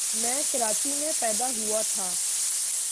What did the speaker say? میں کراچی میں پیدا ہوا تھا۔